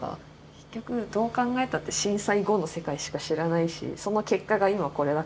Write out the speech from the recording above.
結局どう考えたって震災後の世界しか知らないしその結果が今これだから。